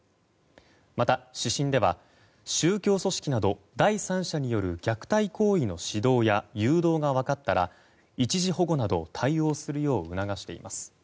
また、指針では宗教組織など第三者による虐待行為の指導や誘導が分かったら一時保護など対応するよう促しています。